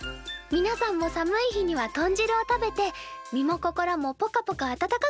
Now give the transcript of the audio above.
みなさんも寒い日には豚汁を食べて身も心もぽかぽか温かくなってみませんか？